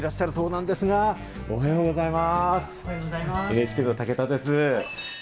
ＮＨＫの武田です。